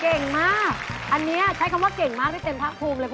เก่งมากอันนี้ใช้คำว่าเก่งมากได้เต็มภาคภูมิเลย